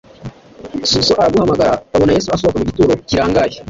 So araguhamagara. Babona Yesu asohoka mu gituro kirangaye